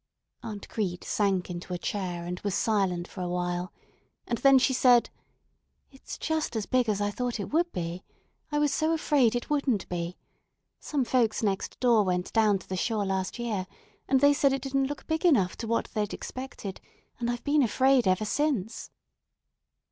Aunt Crete sank into a chair, and was silent for a while; and then she said: "It's just as big as I thought it would be. I was so afraid it wouldn't be. Some folks next door went down to the shore last year, and they said it didn't look big enough to what they'd expected; and I've been afraid ever since."